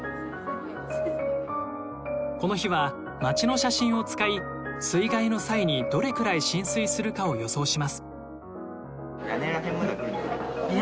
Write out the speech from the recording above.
この日は街の写真を使い水害の際にどれくらい浸水するかを予想します。